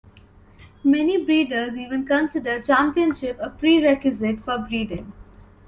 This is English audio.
Many breeders even consider championship a prerequisite for breeding.